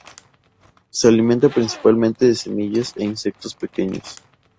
Se alimenta principalmente de semillas e insectos pequeños.